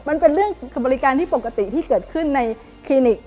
มันเป็นเรื่องบริการที่ปกติที่เกิดขึ้นในคลินิก